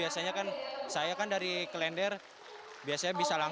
mengatakan pasukan yangervice di jawa